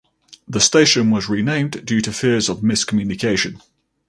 The station was renamed due to fears of miscommunication.